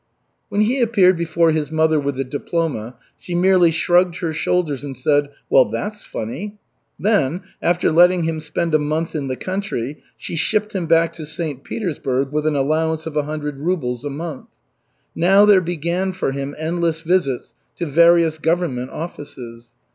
When he appeared before his mother with the diploma, she merely shrugged her shoulders and said: "Well, that's funny." Then, after letting him spend a month in the country, she shipped him back to St. Petersburg with an allowance of a hundred rubles a month. Now there began for him endless visits to various government offices.